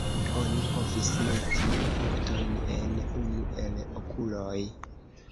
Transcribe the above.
Oni povis meti punktojn en unu el "okuloj".